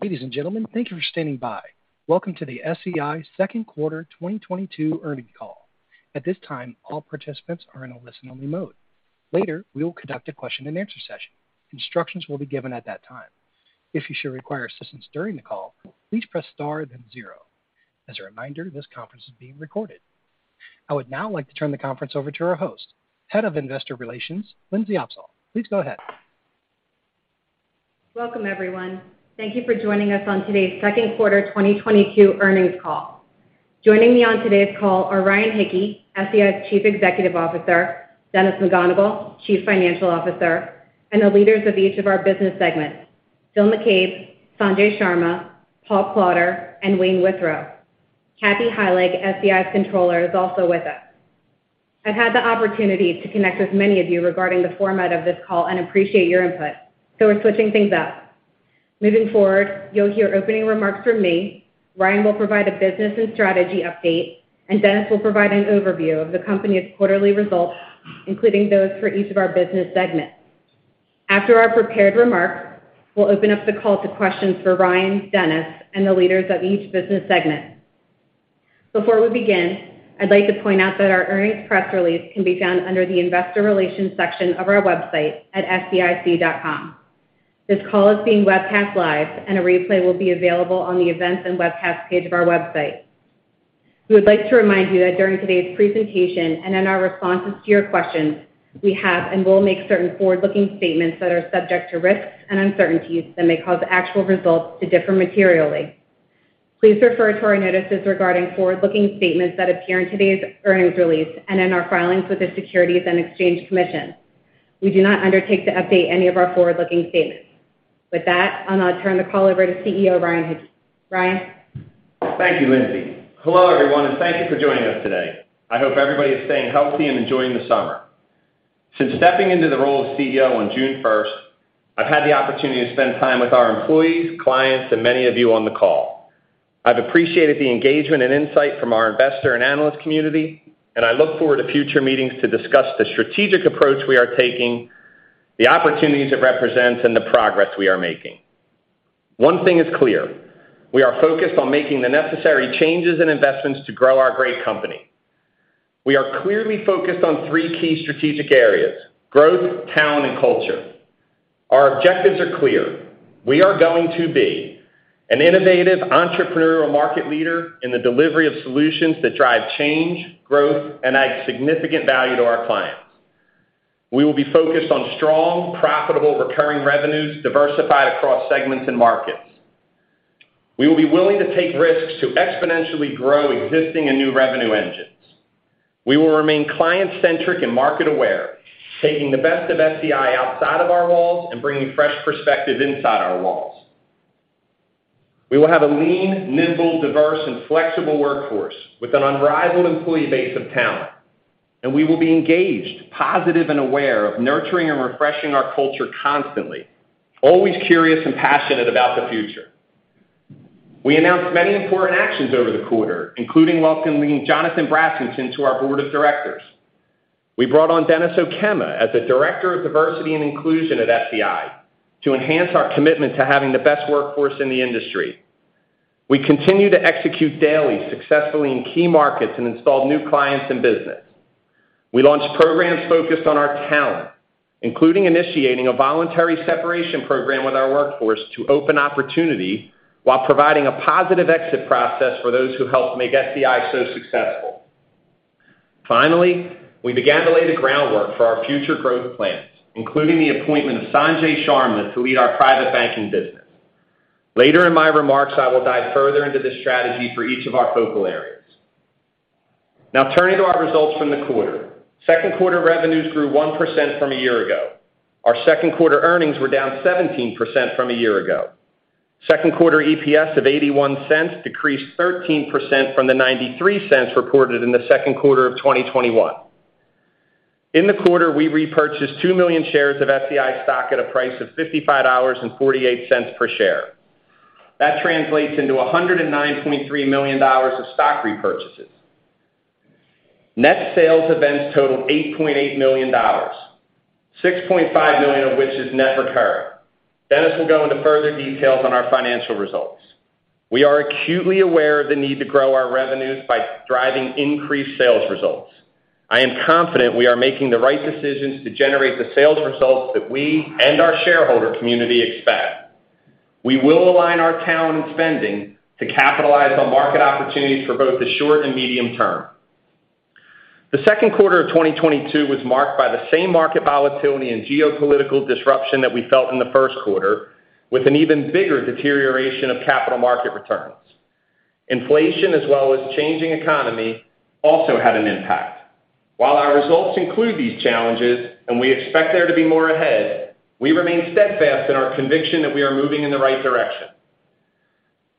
Ladies and gentlemen, thank you for standing by. Welcome to the SEI second quarter 2022 earnings call. At this time, all participants are in a listen-only mode. Later, we will conduct a question-and-answer session. Instructions will be given at that time. If you should require assistance during the call, please press star then zero. As a reminder, this conference is being recorded. I would now like to turn the conference over to our host, Head of Investor Relations, Lindsey Opsahl. Please go ahead. Welcome, everyone. Thank you for joining us on today's second quarter 2022 earnings call. Joining me on today's call are Ryan Hicke, SEI's Chief Executive Officer, Dennis McGonigle, Chief Financial Officer, and the leaders of each of our business segments, Phil McCabe, Sanjay Sharma, Paul Klauder, and Wayne Withrow. Kathy Heilig, SEI's Controller, is also with us. I've had the opportunity to connect with many of you regarding the format of this call and appreciate your input, so we're switching things up. Moving forward, you'll hear opening remarks from me. Ryan will provide a business and strategy update, and Dennis will provide an overview of the company's quarterly results, including those for each of our business segments. After our prepared remarks, we'll open up the call to questions for Ryan, Dennis, and the leaders of each business segment. Before we begin, I'd like to point out that our earnings press release can be found under the investor relations section of our website at seic.com. This call is being webcast live and a replay will be available on the events and webcasts page of our website. We would like to remind you that during today's presentation and in our responses to your questions, we have and will make certain forward-looking statements that are subject to risks and uncertainties that may cause actual results to differ materially. Please refer to our notices regarding forward-looking statements that appear in today's earnings release and in our filings with the Securities and Exchange Commission. We do not undertake to update any of our forward-looking statements. With that, I'll now turn the call over to CEO, Ryan Hicke. Ryan. Thank you, Lindsey. Hello, everyone, and thank you for joining us today. I hope everybody is staying healthy and enjoying the summer. Since stepping into the role of CEO on June first, I've had the opportunity to spend time with our employees, clients, and many of you on the call. I've appreciated the engagement and insight from our investor and analyst community, and I look forward to future meetings to discuss the strategic approach we are taking, the opportunities it represents, and the progress we are making. One thing is clear, we are focused on making the necessary changes and investments to grow our great company. We are clearly focused on three key strategic areas, growth, talent, and culture. Our objectives are clear. We are going to be an innovative entrepreneurial market leader in the delivery of solutions that drive change, growth, and add significant value to our clients. We will be focused on strong, profitable, recurring revenues diversified across segments and markets. We will be willing to take risks to exponentially grow existing and new revenue engines. We will remain client-centric and market-aware, taking the best of SEI outside of our walls and bringing fresh perspective inside our walls. We will have a lean, nimble, diverse, and flexible workforce with an unrivaled employee base of talent, and we will be engaged, positive, and aware of nurturing and refreshing our culture constantly, always curious and passionate about the future. We announced many important actions over the quarter, including welcoming Jonathan Brassington to our Board of Directors. We brought on Denis Okema as the Director of Diversity and Inclusion at SEI to enhance our commitment to having the best workforce in the industry. We continue to execute daily successfully in key markets and install new clients and business. We launched programs focused on our talent, including initiating a voluntary separation program with our workforce to open opportunity while providing a positive exit process for those who helped make SEI so successful. Finally, we began to lay the groundwork for our future growth plans, including the appointment of Sanjay Sharma to lead our Private Banking business. Later in my remarks, I will dive further into the strategy for each of our focal areas. Now turning to our results from the quarter. Second quarter revenues grew 1% from a year ago. Our second quarter earnings were down 17% from a year ago. Second quarter EPS of $0.81 decreased 13% from the $0.93 reported in the second quarter of 2021. In the quarter, we repurchased 2 million shares of SEI stock at a price of $55.48 per share. That translates into $109.3 million of stock repurchases. Net sales events totaled $8.8 million, $6.5 million of which is net recurring. Dennis will go into further details on our financial results. We are acutely aware of the need to grow our revenues by driving increased sales results. I am confident we are making the right decisions to generate the sales results that we and our shareholder community expect. We will align our talent and spending to capitalize on market opportunities for both the short and medium-term. The second quarter of 2022 was marked by the same market volatility and geopolitical disruption that we felt in the first quarter with an even bigger deterioration of capital market returns. Inflation as well as changing economy also had an impact. While our results include these challenges and we expect there to be more ahead, we remain steadfast in our conviction that we are moving in the right direction.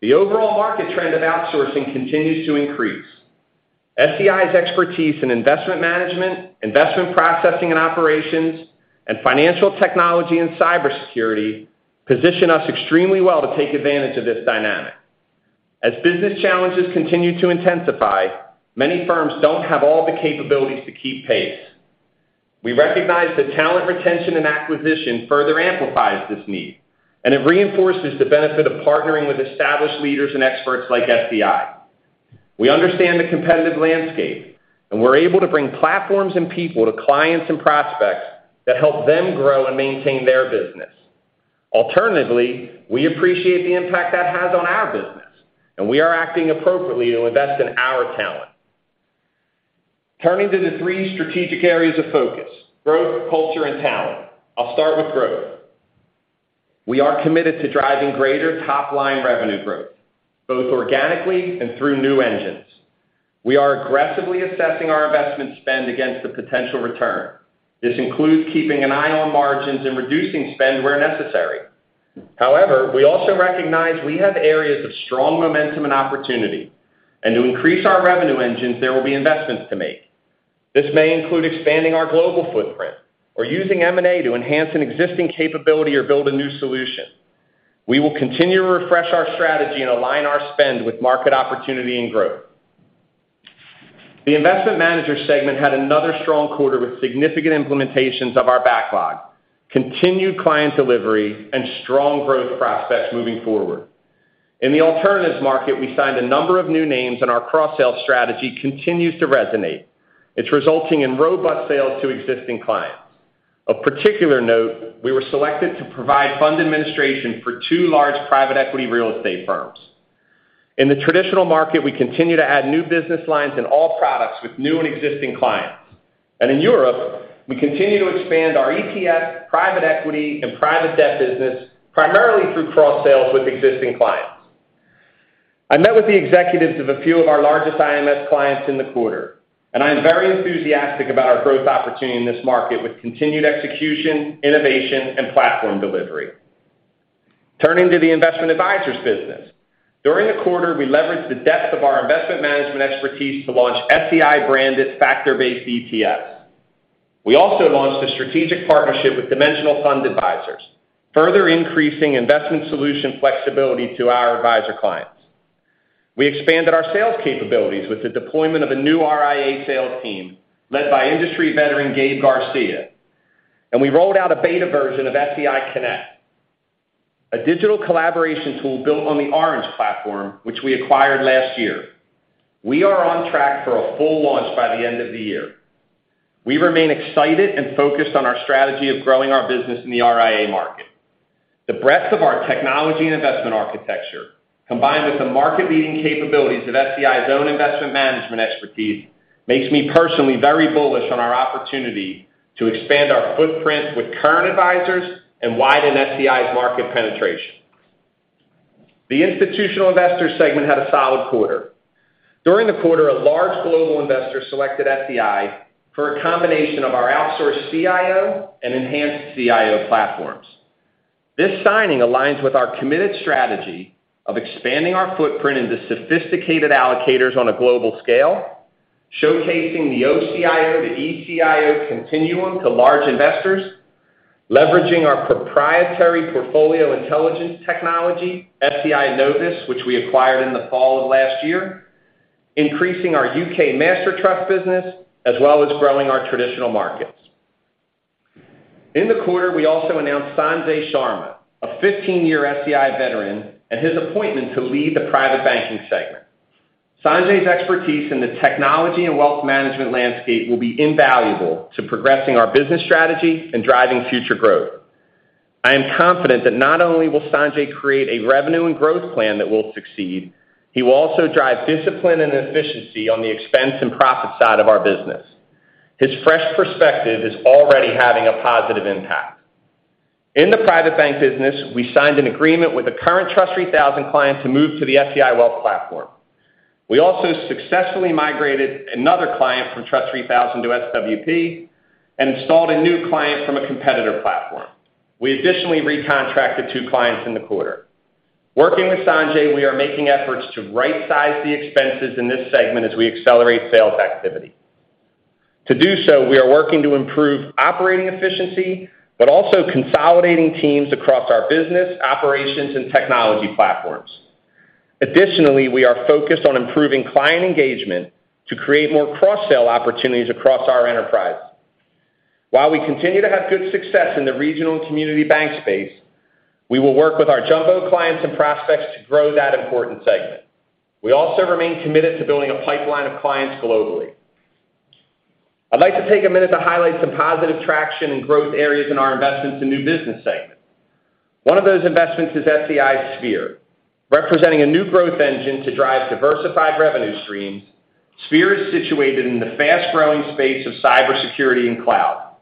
The overall market trend of outsourcing continues to increase. SEI's expertise in investment management, investment processing and operations, and financial technology and cybersecurity position us extremely well to take advantage of this dynamic. As business challenges continue to intensify, many firms don't have all the capabilities to keep pace. We recognize that talent retention and acquisition further amplifies this need, and it reinforces the benefit of partnering with established leaders and experts like SEI. We understand the competitive landscape, and we're able to bring platforms and people to clients and prospects that help them grow and maintain their business. Alternatively, we appreciate the impact that has on our business, and we are acting appropriately to invest in our talent. Turning to the three strategic areas of focus, growth, culture, and talent. I'll start with growth. We are committed to driving greater top-line revenue growth, both organically and through new engines. We are aggressively assessing our investment spend against the potential return. This includes keeping an eye on margins and reducing spend where necessary. However, we also recognize we have areas of strong momentum and opportunity, and to increase our revenue engines, there will be investments to make. This may include expanding our global footprint or using M&A to enhance an existing capability or build a new solution. We will continue to refresh our strategy and align our spend with market opportunity and growth. The Investment Manager segment had another strong quarter with significant implementations of our backlog, continued client delivery, and strong growth prospects moving forward. In the alternatives market, we signed a number of new names, and our cross-sell strategy continues to resonate. It's resulting in robust sales to existing clients. Of particular note, we were selected to provide fund administration for two large private equity real estate firms. In the traditional market, we continue to add new business lines in all products with new and existing clients. In Europe, we continue to expand our ETF, private equity, and private debt business primarily through cross-sales with existing clients. I met with the executives of a few of our largest IMS clients in the quarter, and I am very enthusiastic about our growth opportunity in this market with continued execution, innovation, and platform delivery. Turning to the Investment Advisors business. During the quarter, we leveraged the depth of our investment management expertise to launch SEI-branded factor-based ETFs. We also launched a strategic partnership with Dimensional Fund Advisors, further increasing investment solution flexibility to our advisor clients. We expanded our sales capabilities with the deployment of a new RIA sales team led by industry veteran Gabe Garcia. We rolled out a beta version of SEI Connect, a digital collaboration tool built on the Oranj platform, which we acquired last year. We are on track for a full launch by the end of the year. We remain excited and focused on our strategy of growing our business in the RIA market. The breadth of our technology and investment architecture, combined with the market-leading capabilities of SEI's own investment management expertise, makes me personally very bullish on our opportunity to expand our footprint with current advisors and widen SEI's market penetration. The institutional investors segment had a solid quarter. During the quarter, a large global investor selected SEI for a combination of our outsourced CIO and enhanced CIO platforms. This signing aligns with our committed strategy of expanding our footprint into sophisticated allocators on a global scale, showcasing the OCIO to ECIO continuum to large investors, leveraging our proprietary portfolio intelligence technology, SEI Novus, which we acquired in the fall of last year, increasing our U.K. master trust business, as well as growing our traditional markets. In the quarter, we also announced Sanjay Sharma, a 15-year SEI veteran, and his appointment to lead the Private Banking segment. Sanjay's expertise in the technology and wealth management landscape will be invaluable to progressing our business strategy and driving future growth. I am confident that not only will Sanjay create a revenue and growth plan that will succeed, he will also drive discipline and efficiency on the expense and profit side of our business. His fresh perspective is already having a positive impact. In the Private Bank business, we signed an agreement with a current Trust 3000 client to move to the SEI Wealth Platform. We also successfully migrated another client from Trust 3000 to SWP and installed a new client from a competitor platform. We additionally recontracted two clients in the quarter. Working with Sanjay, we are making efforts to right-size the expenses in this segment as we accelerate sales activity. To do so, we are working to improve operating efficiency, but also consolidating teams across our business, operations, and technology platforms. Additionally, we are focused on improving client engagement to create more cross-sell opportunities across our enterprise. While we continue to have good success in the regional and community bank space, we will work with our jumbo clients and prospects to grow that important segment. We also remain committed to building a pipeline of clients globally. I'd like to take a minute to highlight some positive traction and growth areas in our investments and new business segment. One of those investments is SEI Sphere. Representing a new growth engine to drive diversified revenue streams, Sphere is situated in the fast-growing space of cybersecurity and cloud.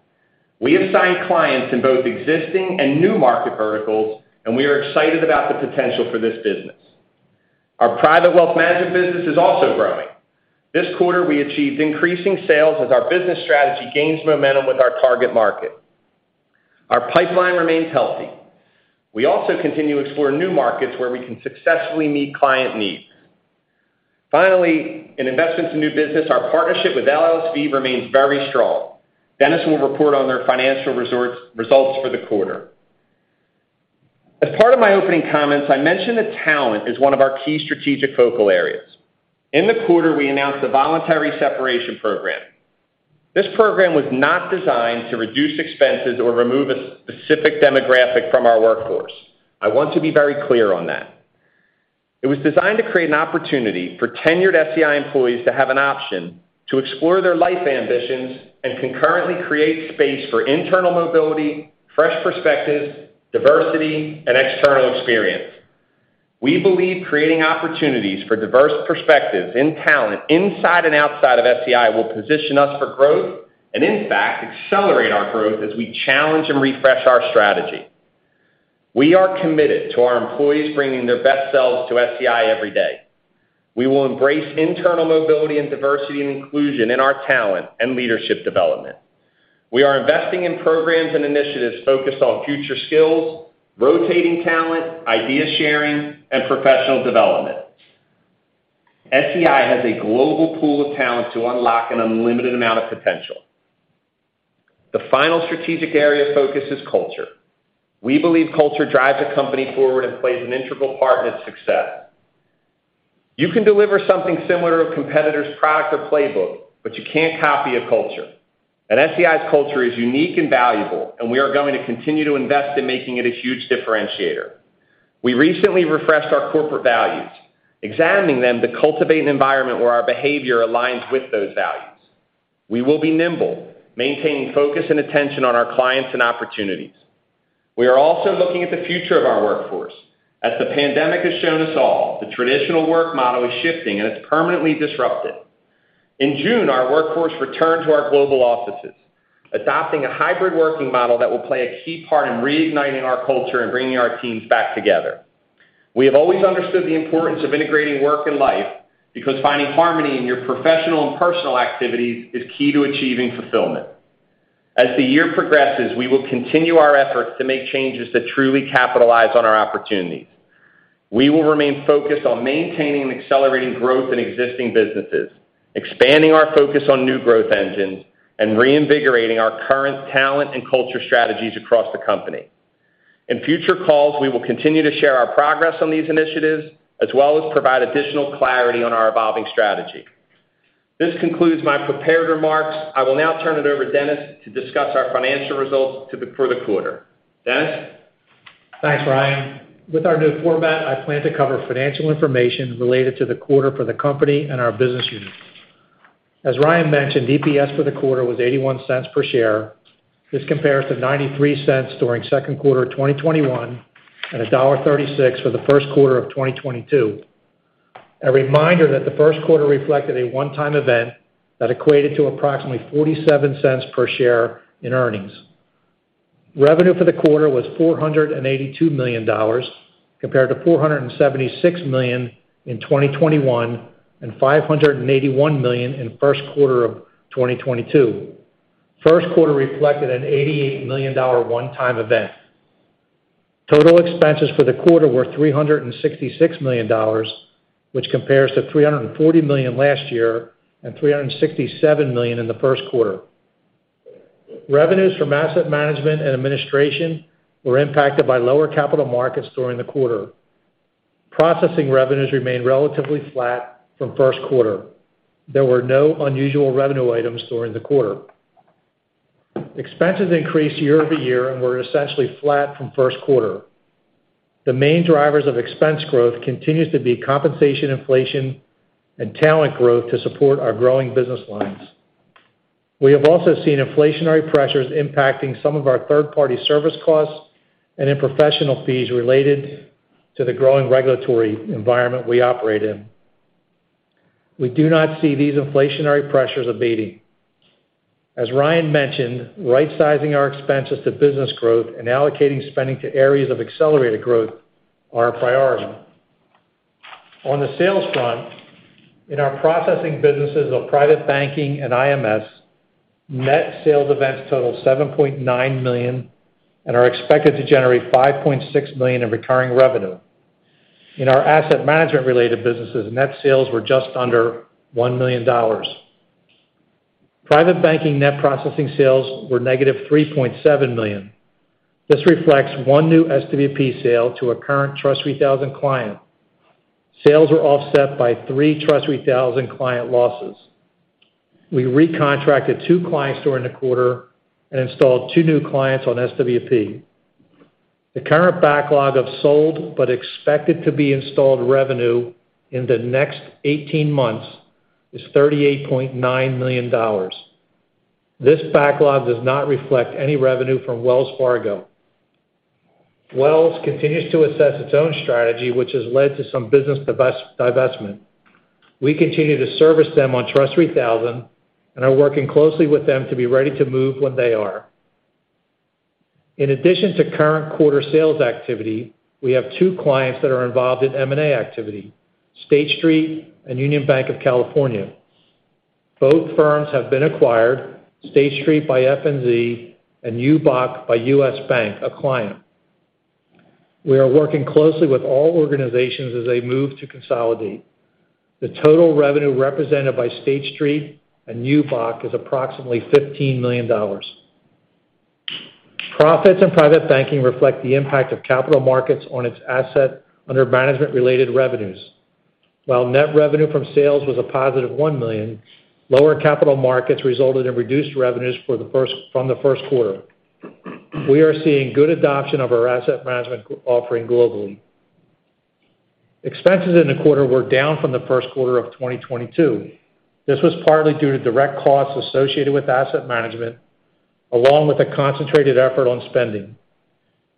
We have signed clients in both existing and new market verticals, and we are excited about the potential for this business. Our private wealth management business is also growing. This quarter, we achieved increasing sales as our business strategy gains momentum with our target market. Our pipeline remains healthy. We also continue to explore new markets where we can successfully meet client needs. Finally, in investments and new business, our partnership with LSV remains very strong. Dennis will report on their financial results for the quarter. As part of my opening comments, I mentioned that talent is one of our key strategic focal areas. In the quarter, we announced a voluntary separation program. This program was not designed to reduce expenses or remove a specific demographic from our workforce. I want to be very clear on that. It was designed to create an opportunity for tenured SEI employees to have an option to explore their life ambitions and concurrently create space for internal mobility, fresh perspectives, diversity, and external experience. We believe creating opportunities for diverse perspectives in talent inside and outside of SEI will position us for growth, and in fact, accelerate our growth as we challenge and refresh our strategy. We are committed to our employees bringing their best selves to SEI every day. We will embrace internal mobility and diversity and inclusion in our talent and leadership development. We are investing in programs and initiatives focused on future skills, rotating talent, idea sharing, and professional development. SEI has a global pool of talent to unlock an unlimited amount of potential. The final strategic area of focus is culture. We believe culture drives a company forward and plays an integral part in its success. You can deliver something similar to a competitor's product or playbook, but you can't copy a culture. SEI's culture is unique and valuable, and we are going to continue to invest in making it a huge differentiator. We recently refreshed our corporate values, examining them to cultivate an environment where our behavior aligns with those values. We will be nimble, maintaining focus and attention on our clients and opportunities. We are also looking at the future of our workforce. As the pandemic has shown us all, the traditional work model is shifting, and it's permanently disrupted. In June, our workforce returned to our global offices, adopting a hybrid working model that will play a key part in reigniting our culture and bringing our teams back together. We have always understood the importance of integrating work and life because finding harmony in your professional and personal activities is key to achieving fulfillment. As the year progresses, we will continue our efforts to make changes that truly capitalize on our opportunities. We will remain focused on maintaining and accelerating growth in existing businesses, expanding our focus on new growth engines, and reinvigorating our current talent and culture strategies across the company. In future calls, we will continue to share our progress on these initiatives, as well as provide additional clarity on our evolving strategy. This concludes my prepared remarks. I will now turn it over to Dennis to discuss our financial results for the quarter. Dennis? Thanks, Ryan. With our new format, I plan to cover financial information related to the quarter for the company and our business units. As Ryan mentioned, EPS for the quarter was $0.81 per share. This compares to $0.93 during second quarter of 2021 and $1.36 for the first quarter of 2022. A reminder that the first quarter reflected a one-time event that equated to approximately $0.47 per share in earnings. Revenue for the quarter was $482 million, compared to $476 million in 2021 and $581 million in first quarter of 2022. First quarter reflected an $88 million one-time event. Total expenses for the quarter were $366 million, which compares to $340 million last year and $367 million in the first quarter. Revenues from asset management and administration were impacted by lower capital markets during the quarter. Processing revenues remained relatively flat from first quarter. There were no unusual revenue items during the quarter. Expenses increased year-over-year and were essentially flat from first quarter. The main drivers of expense growth continues to be compensation inflation and talent growth to support our growing business lines. We have also seen inflationary pressures impacting some of our third-party service costs and in professional fees related to the growing regulatory environment we operate in. We do not see these inflationary pressures abating. As Ryan mentioned, rightsizing our expenses to business growth and allocating spending to areas of accelerated growth are a priority. On the sales front, in our processing businesses of Private Banking and IMS, net sales events totaled $7.9 million and are expected to generate $5.6 million in recurring revenue. In our asset management-related businesses, net sales were just under $1 million. Private Banking net processing sales were -$3.7 million. This reflects one new SWP sale to a current Trust 3000 client. Sales were offset by three Trust 3000 client losses. We recontracted two clients during the quarter and installed two new clients on SWP. The current backlog of sold but expected to be installed revenue in the next 18 months is $38.9 million. This backlog does not reflect any revenue from Wells Fargo. Wells continues to assess its own strategy, which has led to some business divestment. We continue to service them on Trust 3000 and are working closely with them to be ready to move when they are. In addition to current quarter sales activity, we have two clients that are involved in M&A activity, State Street and Union Bank. Both firms have been acquired, State Street by FNZ and UBOC by U.S. Bank, a client. We are working closely with all organizations as they move to consolidate. The total revenue represented by State Street and Union Bank is approximately $15 million. Profits in Private Banking reflect the impact of capital markets on its asset under management-related revenues. While net revenue from sales was a positive $1 million, lower capital markets resulted in reduced revenues from the first quarter. We are seeing good adoption of our asset management offering globally. Expenses in the quarter were down from the first quarter of 2022. This was partly due to direct costs associated with asset management, along with a concentrated effort on spending.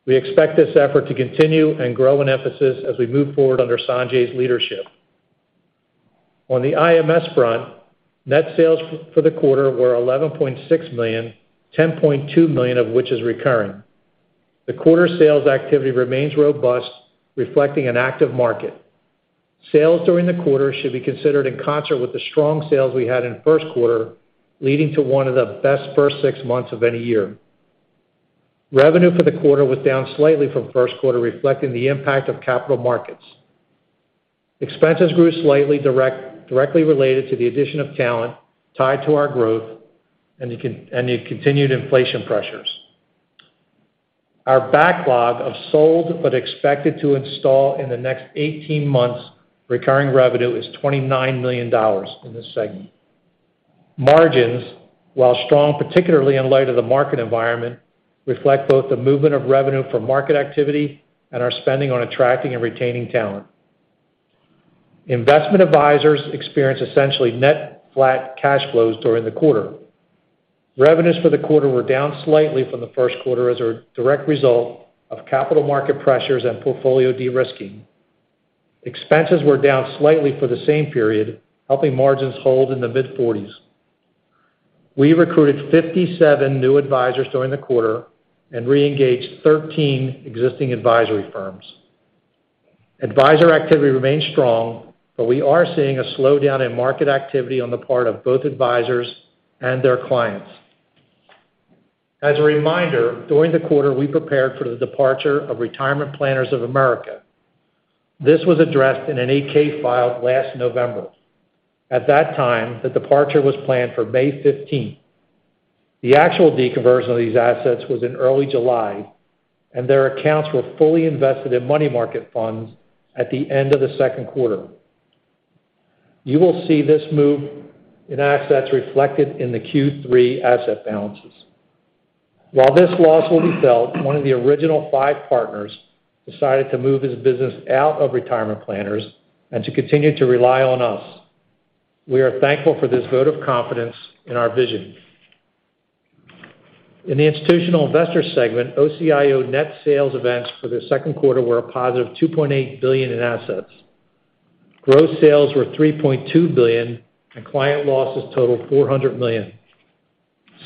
We expect this effort to continue and grow in emphasis as we move forward under Sanjay's leadership. On the IMS front, net sales for the quarter were $11.6 million, $10.2 million of which is recurring. The quarter sales activity remains robust, reflecting an active market. Sales during the quarter should be considered in concert with the strong sales we had in first quarter, leading to one of the best first six months of any year. Revenue for the quarter was down slightly from first quarter, reflecting the impact of capital markets. Expenses grew slightly directly related to the addition of talent tied to our growth and the continued inflation pressures. Our backlog of sold, but expected to install in the next 18 months recurring revenue is $29 million in this segment. Margins, while strong, particularly in light of the market environment, reflect both the movement of revenue from market activity and our spending on attracting and retaining talent. Investment advisors experience essentially net flat cash flows during the quarter. Revenues for the quarter were down slightly from the first quarter as a direct result of capital market pressures and portfolio de-risking. Expenses were down slightly for the same period, helping margins hold in the mid-40s%. We recruited 57 new advisors during the quarter and re-engaged 13 existing advisory firms. Advisor activity remains strong, but we are seeing a slowdown in market activity on the part of both advisors and their clients. As a reminder, during the quarter, we prepared for the departure of Retirement Planners of America. This was addressed in an 8-K filed last November. At that time, the departure was planned for May 15th. The actual deconversion of these assets was in early July, and their accounts were fully invested in money market funds at the end of the second quarter. You will see this move in assets reflected in the Q3 asset balances. While this loss will be felt, one of the original five partners decided to move his business out of Retirement Planners and to continue to rely on us. We are thankful for this vote of confidence in our vision. In the Institutional Investor segment, OCIO net sales events for the second quarter were a positive $2.8 billion in assets. Gross sales were $3.2 billion, and client losses totaled $400 million.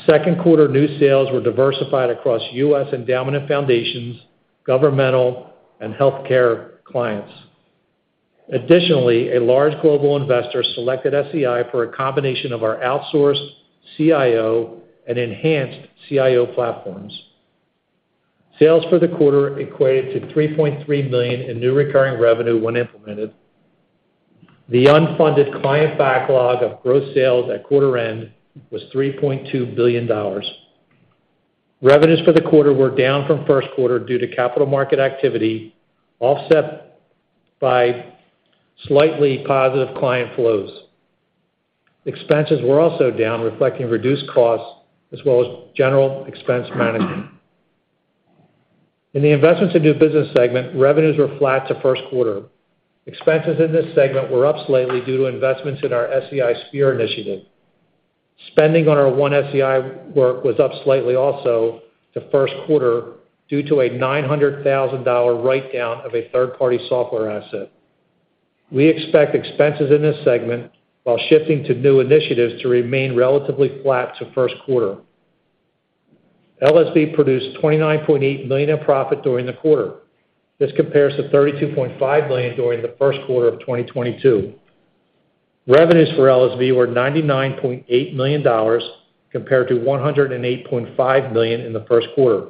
Second quarter new sales were diversified across U.S. endowment foundations, governmental, and healthcare clients. Additionally, a large global investor selected SEI for a combination of our outsourced CIO and enhanced CIO platforms. Sales for the quarter equated to $3.3 million in new recurring revenue when implemented. The unfunded client backlog of gross sales at quarter end was $3.2 billion. Revenues for the quarter were down from first quarter due to capital market activity, offset by slightly positive client flows. Expenses were also down, reflecting reduced costs as well as general expense management. In the investments and new business segment, revenues were flat to first quarter. Expenses in this segment were up slightly due to investments in our SEI Sphere initiative. Spending on our One SEI work was up slightly also to first quarter due to a $900,000 write-down of a third-party software asset. We expect expenses in this segment while shifting to new initiatives to remain relatively flat to first quarter. LSV produced $29.8 million in profit during the quarter. This compares to $32.5 million during the first quarter of 2022. Revenues for LSV were $99.8 million compared to $108.5 million in the first quarter.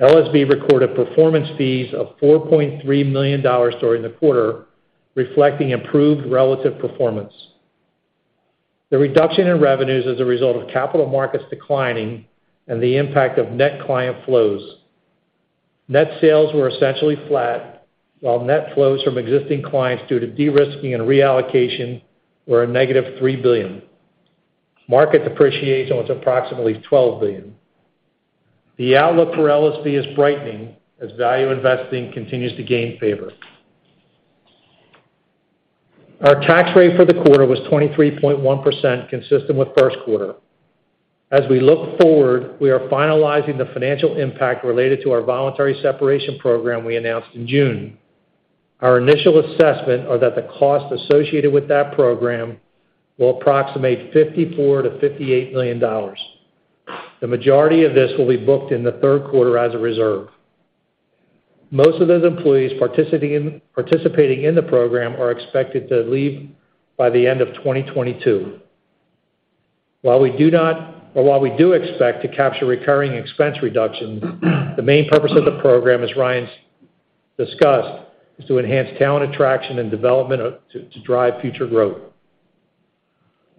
LSV recorded performance fees of $4.3 million during the quarter, reflecting improved relative performance. The reduction in revenues is a result of capital markets declining and the impact of net client flows. Net sales were essentially flat, while net flows from existing clients due to de-risking and reallocation were -$3 billion. Market depreciation was approximately $12 billion. The outlook for LSV is brightening as value investing continues to gain favor. Our tax rate for the quarter was 23.1%, consistent with first quarter. As we look forward, we are finalizing the financial impact related to our voluntary separation program we announced in June. Our initial assessment are that the cost associated with that program will approximate $54 million-$58 million. The majority of this will be booked in the third quarter as a reserve. Most of those employees participating in the program are expected to leave by the end of 2022. While we do expect to capture recurring expense reduction, the main purpose of the program, as Ryan's discussed, is to enhance talent attraction and development, to drive future growth.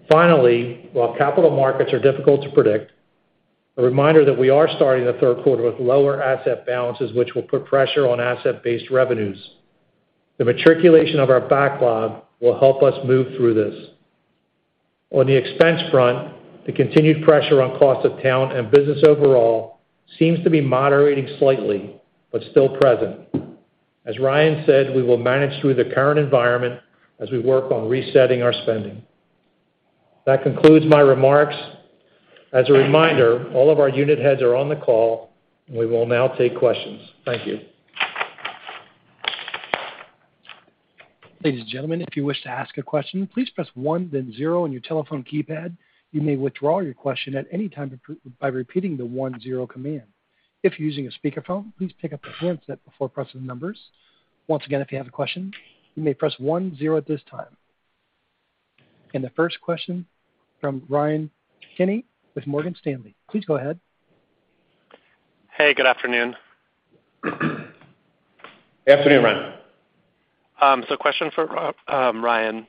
Finally, while capital markets are difficult to predict, a reminder that we are starting the third quarter with lower asset balances, which will put pressure on asset-based revenues. The materialization of our backlog will help us move through this. On the expense front, the continued pressure on cost of talent and business overall seems to be moderating slightly, but still present. As Ryan said, we will manage through the current environment as we work on resetting our spending. That concludes my remarks. As a reminder, all of our unit heads are on the call, and we will now take questions. Thank you. Ladies and gentlemen, if you wish to ask a question, please press one then zero on your telephone keypad. You may withdraw your question at any time by repeating the one zero command. If you're using a speakerphone, please pick up the handset before pressing numbers. Once again, if you have a question, you may press one zero at this time. The first question from Ryan Kenny with Morgan Stanley. Please go ahead. Hey, good afternoon. Afternoon, Ryan. Question for Ryan.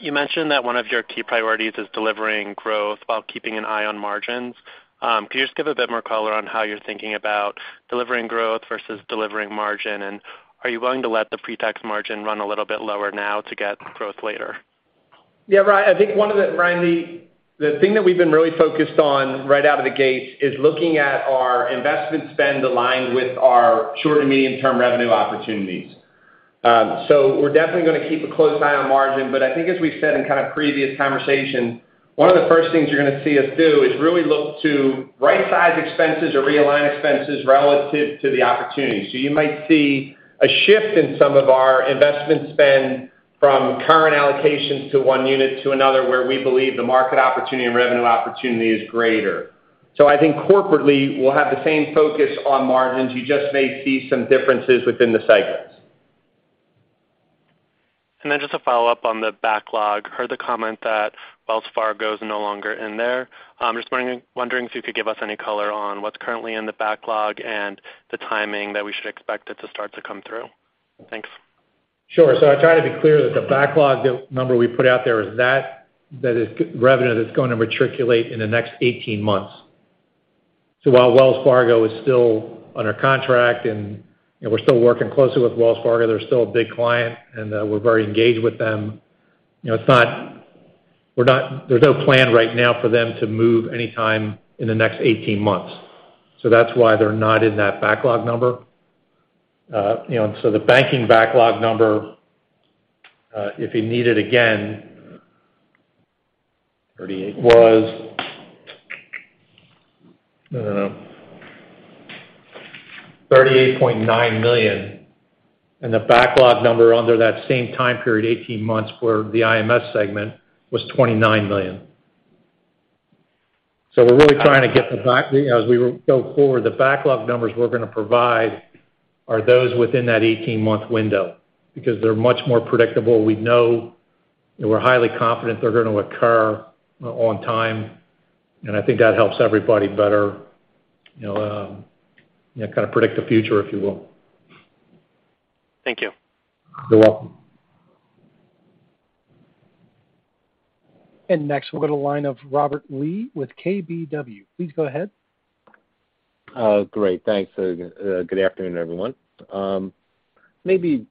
You mentioned that one of your key priorities is delivering growth while keeping an eye on margins. Could you just give a bit more color on how you're thinking about delivering growth versus delivering margin? Are you willing to let the pre-tax margin run a little bit lower now to get growth later? Yeah, Ryan, I think the thing that we've been really focused on right out of the gate is looking at our investment spend aligned with our short and medium-term revenue opportunities. We're definitely gonna keep a close eye on margin, but I think as we've said in kind of previous conversations, one of the first things you're gonna see us do is really look to rightsize expenses or realign expenses relative to the opportunity. You might see a shift in some of our investment spend from current allocations to one unit to another where we believe the market opportunity and revenue opportunity is greater. I think corporately, we'll have the same focus on margins. You just may see some differences within the segments. Just a follow-up on the backlog. Heard the comment that Wells Fargo is no longer in there. I'm just wondering if you could give us any color on what's currently in the backlog and the timing that we should expect it to start to come through. Thanks. Sure. I tried to be clear that the backlog number we put out there is that is revenue that's gonna materialize in the next 18 months. While Wells Fargo is still under contract and, you know, we're still working closely with Wells Fargo, they're still a big client, and we're very engaged with them. You know, it's not. We're not. There's no plan right now for them to move any time in the next 18 months. That's why they're not in that backlog number. You know, and the banking backlog number, if you need it again. 38. was, I don't know, $38.9 million. The backlog number under that same time period, 18 months, for the IMS segment was $29 million. We're really trying to get the back, as we go forward, the backlog numbers we're gonna provide are those within that 18-month window because they're much more predictable. We know and we're highly confident they're gonna occur on time, and I think that helps everybody better, you know, you know, kind of predict the future, if you will. Thank you. You're welcome. Next we'll go to line of Robert Lee with KBW. Please go ahead. Great. Thanks. Good afternoon, everyone. Maybe,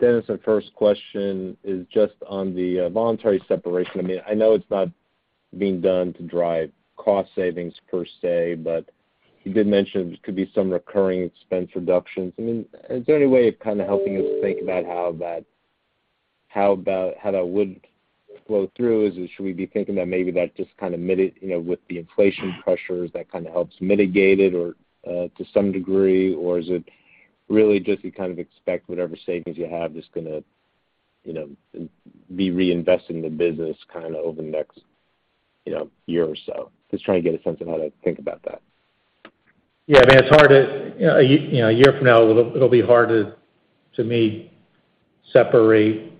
Dennis, our first question is just on the voluntary separation. I mean, I know it's not being done to drive cost savings per se, but you did mention there could be some recurring expense reductions. I mean, is there any way of kinda helping us think about how that would flow through? Should we be thinking that maybe that just kinda, you know, with the inflation pressures that kind of helps mitigate it or to some degree? Or is it really just you kind of expect whatever savings you have is gonna, you know, be reinvested in the business kinda over the next year or so? Just trying to get a sense of how to think about that. I mean, it's hard to you know, a year from now it'll be hard to me separate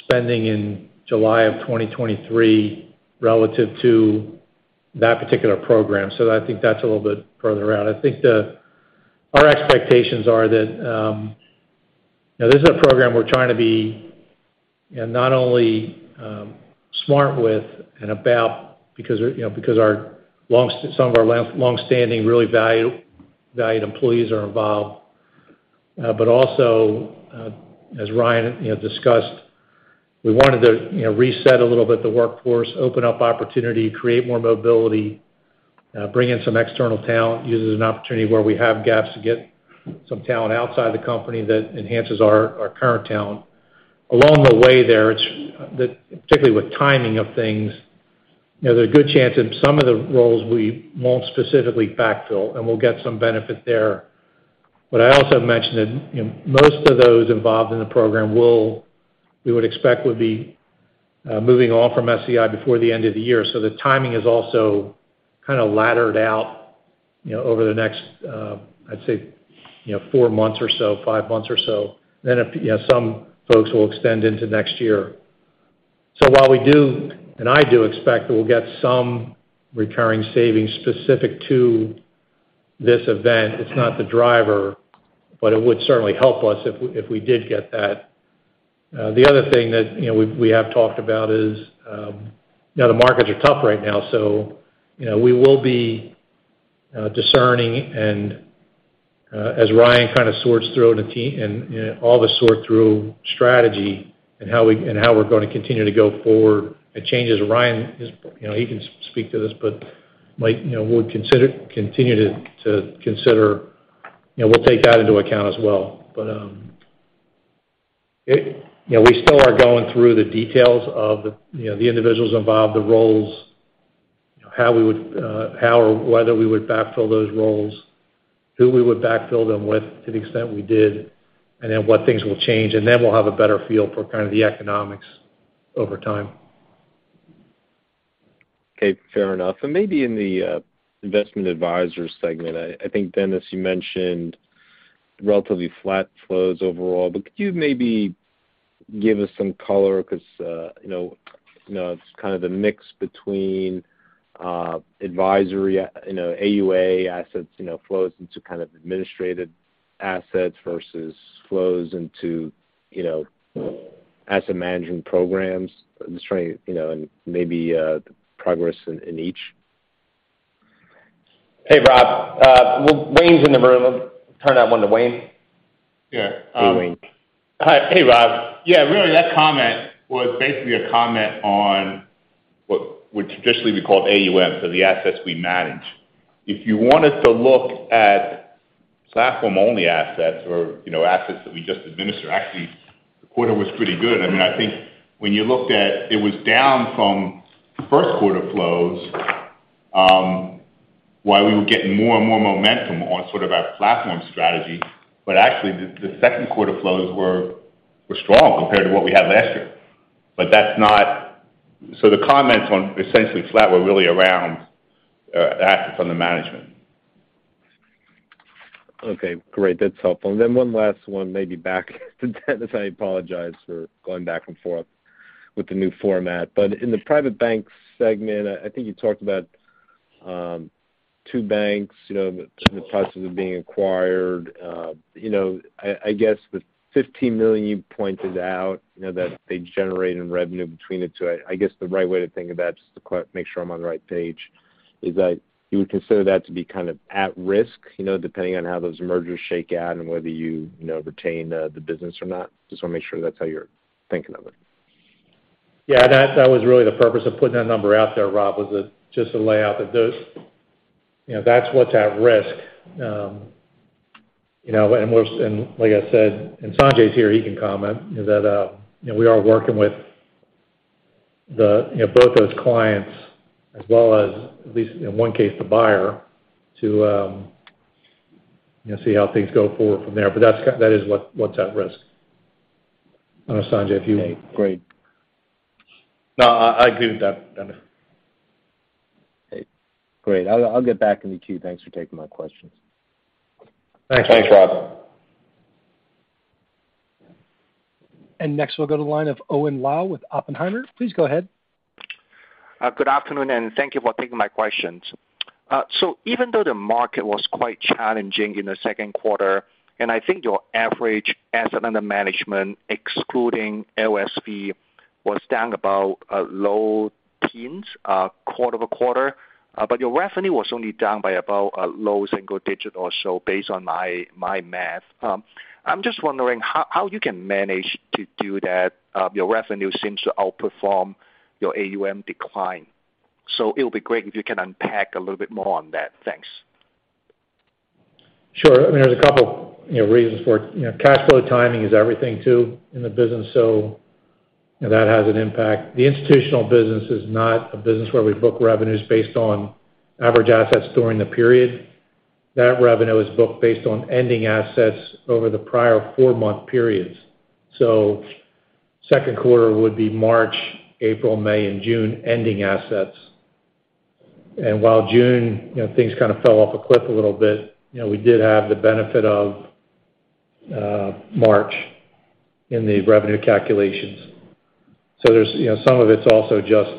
spending in July of 2023 relative to that particular program, so I think that's a little bit further out. I think our expectations are that you know, this is a program we're trying to be you know, not only smart with and about because you know, because some of our long-standing, really valued employees are involved. Also, as Ryan you know, discussed, we wanted to you know, reset a little bit the workforce, open up opportunity, create more mobility, bring in some external talent, use it as an opportunity where we have gaps to get some talent outside the company that enhances our current talent. Along the way there, it's particularly with timing of things, you know, there's a good chance in some of the roles we won't specifically backfill, and we'll get some benefit there. I also mentioned that, you know, most of those involved in the program, we would expect, will be moving on from SEI before the end of the year. The timing is also kind of laddered out. You know, over the next, I'd say, you know, four months or so, five months or so. Yes, some folks will extend into next year. While we do, and I do expect that we'll get some recurring savings specific to this event, it's not the driver, but it would certainly help us if we did get that. The other thing that, you know, we have talked about is, you know, the markets are tough right now, so, you know, we will be discerning and, as Ryan kind of sorts through the team and all the sort through strategy and how we're gonna continue to go forward and changes. Ryan is, you know, he can speak to this, but might, you know, we'll continue to consider, you know, we'll take that into account as well. You know, we still are going through the details of, you know, the individuals involved, the roles, you know, how we would, how or whether we would backfill those roles, who we would backfill them with to the extent we did, and then what things will change. We'll have a better feel for kind of the economics over time. Okay, fair enough. Maybe in the Investment Advisor segment, I think, Dennis, you mentioned relatively flat flows overall, but could you maybe give us some color? 'Cause you know, it's kind of the mix between advisory, you know, AUA assets, you know, flows into kind of administrative assets versus flows into, you know, asset management programs. I'm just trying to, you know, maybe the progress in each. Hey, Rob. Well, Wayne's in the room. I'll turn that one to Wayne. Yeah. Hey, Wayne. Hi. Hey, Rob. Yeah, really, that comment was basically a comment on what would traditionally be called AUM, so the assets we manage. If you wanted to look at platform-only assets or, you know, assets that we just administer, actually the quarter was pretty good. I mean, I think when you looked at it was down from first quarter flows, while we were getting more and more momentum on sort of our platform strategy. Actually, the second quarter flows were strong compared to what we had last year. The comments on essentially flat were really around assets under management. Okay, great. That's helpful. One last one, maybe back to Dennis. I apologize for going back and forth with the new format. In the Private Bank segment, I think you talked about two banks, you know, in the process of being acquired. You know, I guess the $15 million you pointed out, you know, that they generate in revenue between the two, I guess the right way to think of that, just to make sure I'm on the right page, is that you would consider that to be kind of at risk, you know, depending on how those mergers shake out and whether you know, retain the business or not. Just wanna make sure that's how you're thinking of it. Yeah, that was really the purpose of putting that number out there, Rob, was to just lay out that those, you know, that's what's at risk. You know, and like I said, and Sanjay's here, he can comment, is that, you know, we are working with the, you know, both those clients as well as, at least in one case, the buyer to, you know, see how things go forward from there. But that's that is what's at risk. I don't know, Sanjay, if you- Okay, great. No, I agree with that, Dennis. Okay, great. I'll get back in the queue. Thanks for taking my questions. Thanks, Rob. Thanks. Next, we'll go to the line of Owen Lau with Oppenheimer. Please go ahead. Good afternoon, and thank you for taking my questions. Even though the market was quite challenging in the second quarter, and I think your average asset under management, excluding LSV, was down about low teens quarter-over-quarter. Your revenue was only down by about a low single digit or so based on my math. I'm just wondering how you can manage to do that. Your revenue seems to outperform your AUM decline. It'll be great if you can unpack a little bit more on that. Thanks. Sure. I mean, there's a couple, you know, reasons for it. You know, cash flow timing is everything too in the business, so, you know, that has an impact. The institutional business is not a business where we book revenues based on average assets during the period. That revenue is booked based on ending assets over the prior four-month periods. Second quarter would be March, April, May and June ending assets. While June, you know, things kind of fell off a cliff a little bit, you know, we did have the benefit of March in the revenue calculations. There's, you know, some of it's also just,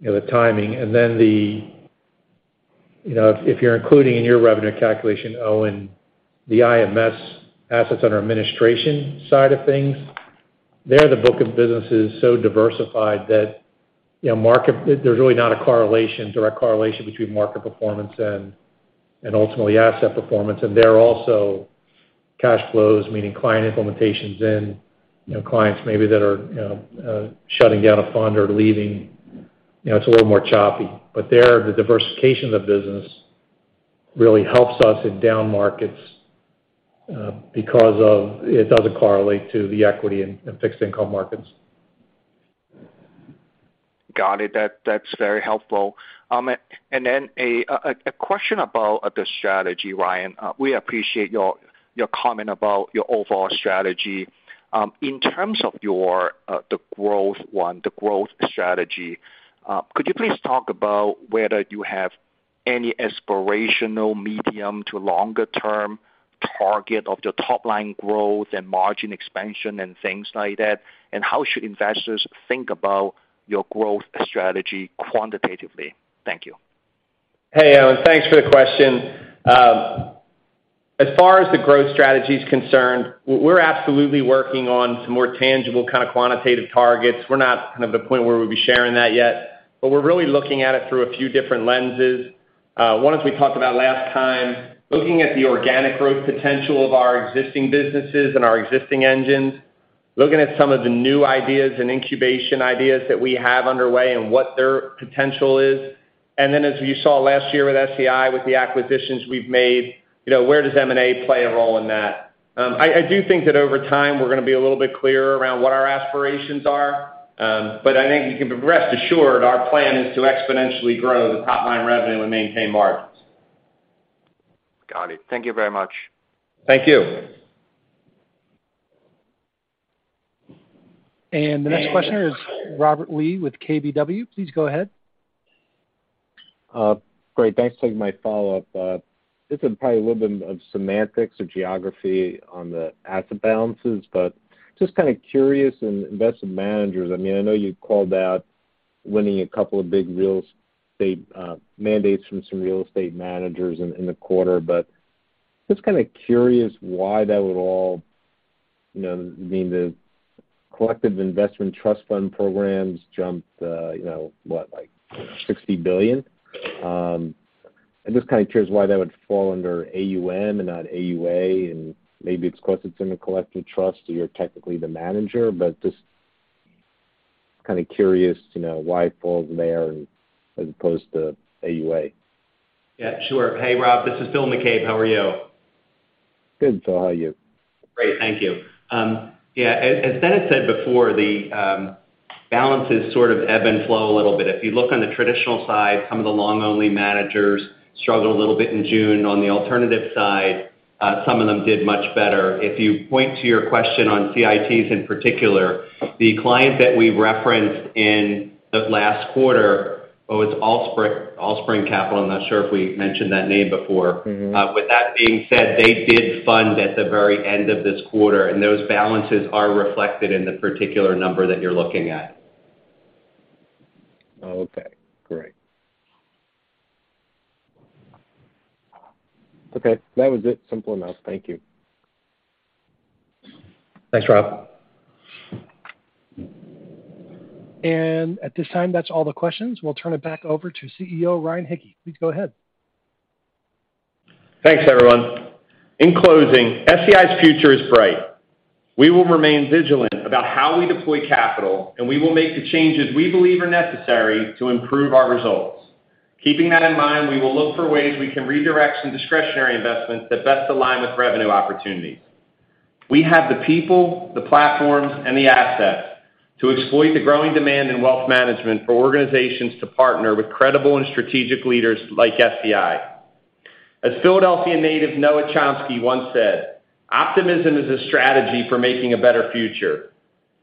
you know, the timing. You know, if you're including in your revenue calculation, Owen Lau, the IMS assets under administration side of things, the book of business is so diversified that, you know, there's really not a correlation, direct correlation between market performance and ultimately asset performance. There are also cash flows, meaning client implementations, you know, clients maybe that are, you know, shutting down a fund or leaving, you know, it's a little more choppy. The diversification of the business really helps us in down markets, because it doesn't correlate to the equity and fixed income markets. Got it. That's very helpful. A question about the strategy, Ryan. We appreciate your comment about your overall strategy. In terms of the growth strategy, could you please talk about whether you have any aspirational medium- to long-term target of the top line growth and margin expansion and things like that. How should investors think about your growth strategy quantitatively? Thank you. Hey, Owen. Thanks for the question. As far as the growth strategy is concerned, we're absolutely working on some more tangible kind of quantitative targets. We're not kind of at the point where we'll be sharing that yet, but we're really looking at it through a few different lenses. One, as we talked about last time, looking at the organic growth potential of our existing businesses and our existing engines, looking at some of the new ideas and incubation ideas that we have underway and what their potential is. As you saw last year with SEI, with the acquisitions we've made, you know, where does M&A play a role in that? I do think that over time we're gonna be a little bit clearer around what our aspirations are, but I think you can rest assured our plan is to exponentially grow the top line revenue and maintain margins. Got it. Thank you very much. Thank you. The next question is Robert Lee with KBW. Please go ahead. Great. Thanks. My follow-up, this is probably a little bit of semantics of geography on the asset balances, but just kinda curious in Investment Managers. I mean, I know you called out winning a couple of big real estate mandates from some real estate managers in the quarter, but just kinda curious why that would all, you know, mean the collective investment trust fund programs jumped, you know, what? Like $60 billion. I'm just kinda curious why that would fall under AUM and not AUA, and maybe it's 'cause it's in a collective trust, so you're technically the manager, but just kinda curious, you know, why it falls there as opposed to AUA. Yeah, sure. Hey, Rob, this is Phil McCabe. How are you? Good, Phil. How are you? Great. Thank you. Yeah, as Dennis said before, balances sort of ebb and flow a little bit. If you look on the traditional side, some of the long only managers struggled a little bit in June. On the alternative side, some of them did much better. If you point to your question on CITs in particular, the client that we referenced in the last quarter, oh, it's Allspring Global. I'm not sure if we mentioned that name before. Mm-hmm. With that being said, they did fund at the very end of this quarter, and those balances are reflected in the particular number that you're looking at. Okay, great. Okay, that was it. Simple enough. Thank you. Thanks, Rob. At this time, that's all the questions. We'll turn it back over to CEO Ryan Hicke. Please go ahead. Thanks, everyone. In closing, SEI's future is bright. We will remain vigilant about how we deploy capital, and we will make the changes we believe are necessary to improve our results. Keeping that in mind, we will look for ways we can redirect some discretionary investments that best align with revenue opportunities. We have the people, the platforms, and the assets to exploit the growing demand in wealth management for organizations to partner with credible and strategic leaders like SEI. As Philadelphia native Noam Chomsky once said, "Optimism is a strategy for making a better future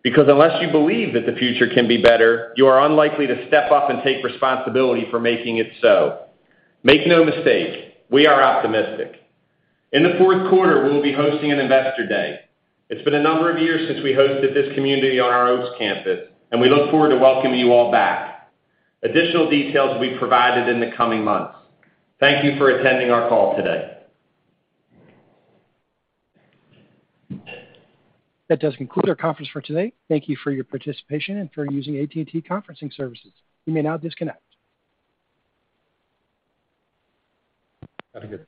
because unless you believe that the future can be better, you are unlikely to step up and take responsibility for making it so." Make no mistake, we are optimistic. In the fourth quarter, we will be hosting an investor day. It's been a number of years since we hosted this community on our Oaks campus, and we look forward to welcoming you all back. Additional details will be provided in the coming months. Thank you for attending our call today. That does conclude our conference for today. Thank you for your participation and for using AT&T Conferencing services. You may now disconnect. Have a good day.